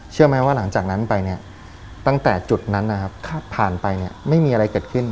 เชื่อไหมว่าหลังจากนั้นไปตั้งแต่จุดนั้นผ่านไปไม่มีอะไรเกิดขึ้น